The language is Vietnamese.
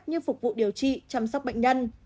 như phục vụ điều trị chăm sóc bệnh nhân